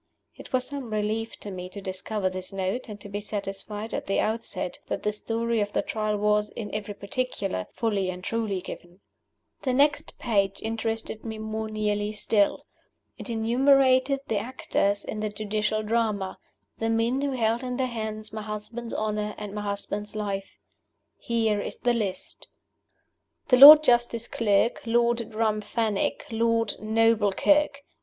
It was some relief to me to discover this Note, and to be satisfied at the outset that the Story of the Trial was, in every particular, fully and truly given. The next page interested me more nearly still. It enumerated the actors in the Judicial Drama the men who held in their hands my husband's honor and my husband's life. Here is the List: THE LORD JUSTICE CLERK,} LORD DRUMFENNICK, }Judges on the Bench.